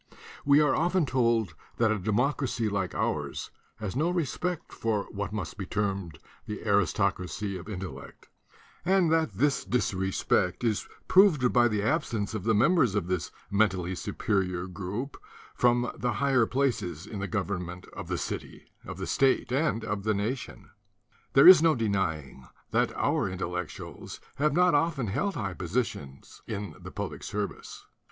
We are often told that a democracy like ours has no re spect for what must be termed the aristocracy of intellect and that this disrespect is proved by the uh i nce of the members of this mentally superior group from the higher places in the government of the city, of the state and of the nation. There is no denying that our Intellectuals have not of ten held high position in the public service.